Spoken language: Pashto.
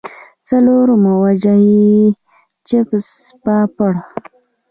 څلورمه وجه ئې چپس پاپړ